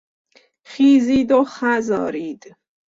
خیزید و خز آرید...